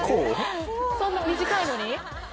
そんな短いのに？